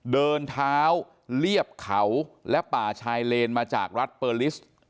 เดินเท้าเรียบเขาและป่าชายเลนมาจากรัฐเปอร์ลิส